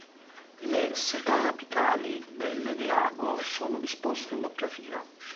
Le setae apicali dell'edeago sono disposte in doppia fila.